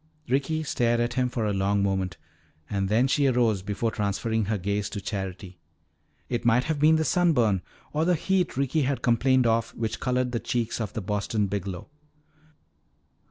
Ricky stared at him for a long moment and then she arose before transferring her gaze to Charity. It might have been sunburn or the heat Ricky had complained of which colored the cheeks of the Boston Biglow.